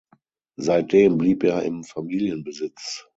Seitdem blieb er im Familienbesitz.